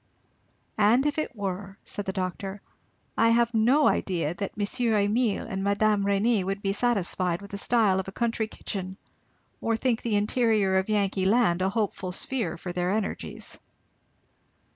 "And if it were," said the doctor, "I have no idea that Monsieur Emile and Madame Renney would be satisfied with the style of a country kitchen, or think the interior of Yankee land a hopeful sphere for their energies."